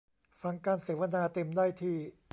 ฟังการเสวนาเต็มได้ที่